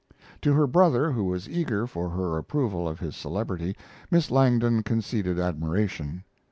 To her brother, who was eager for her approval of his celebrity, Miss Langdon conceded admiration.